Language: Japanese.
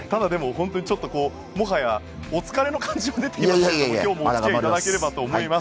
本当にちょっと、もはやお疲れの感じも出ていますが今日もお付き合いいただければと思います。